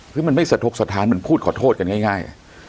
คือมันไม่สะทกสถานเหมือนพูดขอโทษกันง่าย